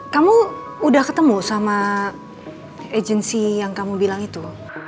kamu udah ketemu sama agency yang kamu bilang itu